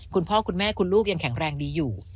คุณพ่อคุณแม่คุณลูกยังแข็งแรงดีอยู่